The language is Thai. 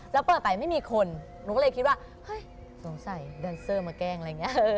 แล้วเปิดไปไม่มีคนหนูก็เลยคิดว่าเฮ้ยสงสัยแดนเซอร์มาแกล้งอะไรอย่างนี้